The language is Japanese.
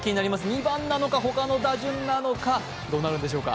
２番なのか、他の打順なのか、どうなるんでしょうか？